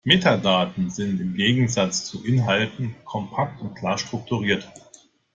Metadaten sind im Gegensatz zu Inhalten kompakt und klar strukturiert.